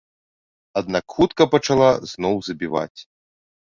Аднак хутка пачала зноў забіваць.